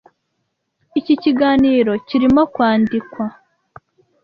Iki kiganiro kirimo kwandikwa.